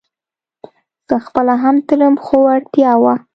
زه خپله هم تلم خو اړتيا وه